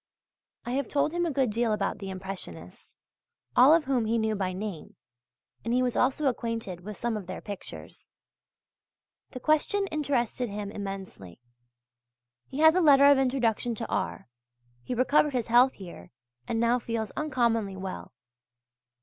I have told him a good deal about the Impressionists, all of whom he knew by name, and he was also acquainted with some of their pictures. The question interested him immensely. He has a letter of introduction to R. He recovered his health here and now feels uncommonly well.